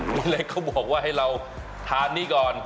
มีคนเล็กเขาบอกให้เราทานนี่ก่อน